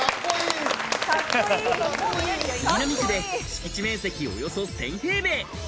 杉並区で敷地面積およそ１０００平米。